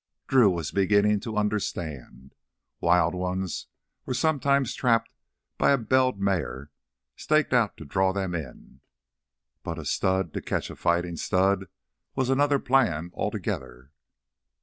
Drew was beginning to understand. Wild ones were sometimes trapped by a belled mare staked out to draw them in. But a stud to catch a fighting stud was another plan altogether.